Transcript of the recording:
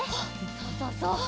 そうそうそう！